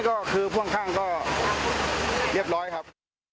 ก็คือพ่วงข้างก็เรียบร้อยครับ